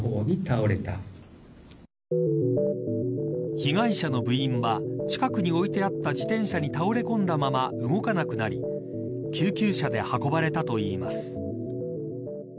被害者の部員は近くに置いてあった自転車に倒れ込んだまま動かなくなり救急車で運ばれたといいます。